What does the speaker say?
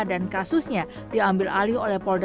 dan kasusnya diambil alih oleh penyidik